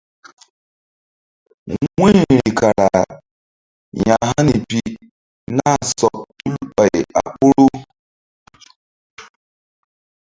Wu̧yri kara ya̧hani pi nah sɔk tul ɓay a ɓoru.